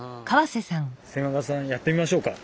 千賀さんやってみましょうか。